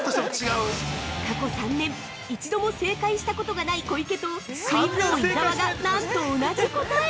◆過去３年、一度も正解したことがない小池とクイズ王・伊沢が、なんと同じ答え！